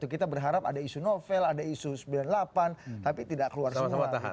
kita berharap ada isu novel ada isu sembilan puluh delapan tapi tidak keluar semua